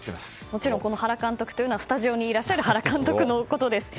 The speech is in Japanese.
もちろんこの原監督というのはスタジオにいらっしゃる原さんのことです。